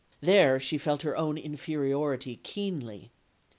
There she felt her own inferiority keenly.